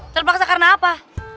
terpaksa karena apa